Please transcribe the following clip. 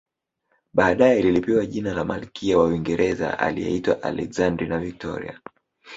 Baadae lilipewa jina la malkia wa Uingereza aliyeitwa Alexandrina Victoria